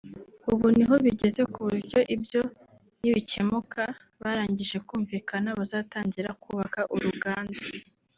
ubu niho bigeze ku buryo ibyo nibikemuka barangije kumvikana bazatangira kubaka uruganda